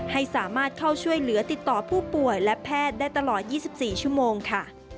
ให้สามารถเข้าช่วยเหลือติดต่อผู้ป่วยและแพทย์ได้ตลอด๒๔ชั่วโมงค่ะ